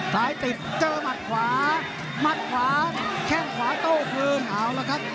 ติดเจอหมัดขวามัดขวาแข้งขวาโต้คืนเอาละครับ